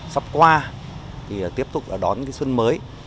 sắp qua thì tiếp tục đón cái xuân mới